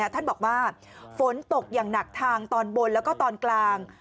ท่านบอกว่าฝนตกอย่างหนักทางตอนบนแล้วก็ตอนกลาง